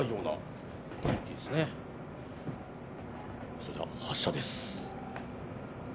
それでは発車です。